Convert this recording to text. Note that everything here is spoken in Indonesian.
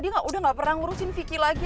dia udah gak pernah ngurusin vicky lagi